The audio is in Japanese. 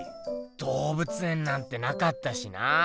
どうぶつ園なんてなかったしな。